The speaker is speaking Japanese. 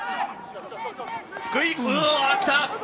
福井、来た！